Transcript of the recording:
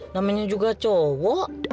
namanya juga cowok